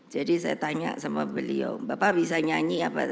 jadi saya tanya sama beliau bapak bisa nyanyi apa